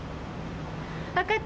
わかった。